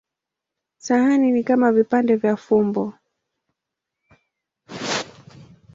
Sahani ni kama vipande vya fumbo.